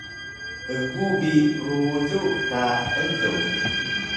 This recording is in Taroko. Egu bi rulu ka elug